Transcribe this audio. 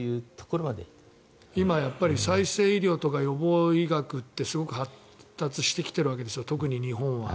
今再生医療とか予防医学ってすごく発達してきているわけです特に日本は。